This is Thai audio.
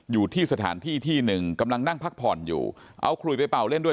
อยู่ที่สถานที่ที่หนึ่งกำลังนั่งพักผ่อนอยู่เอาขลุยไปเป่าเล่นด้วย